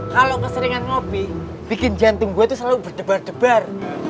kalau keseringan ngopi bikin jantung gua tuh selalu berdebar debar